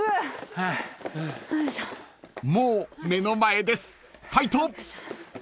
［もう目の前ですファイト！］